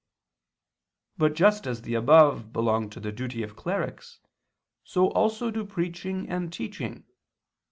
But just as the above belong to the duty of clerics, so also do preaching and teaching.